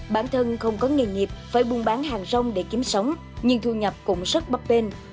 bản thân không có nghề nghiệp phải buôn bán hàng rong để kiếm sống nhưng thu nhập cũng rất bắp bên